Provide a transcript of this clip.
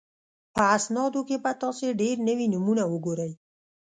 په اسنادو کې به تاسو ډېر نوي نومونه وګورئ